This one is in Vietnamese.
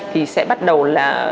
thì sẽ bắt đầu là